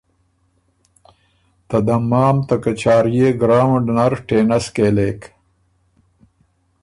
ته دمام ته کچاريېې ګراؤنډ نر ټېنس کهېلېک